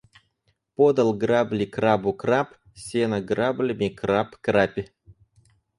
Подал грабли крабу краб: сено, граблями краб грабь